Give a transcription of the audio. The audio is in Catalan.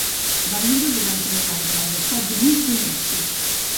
Va viure durant tres anys als Estats Units i Mèxic.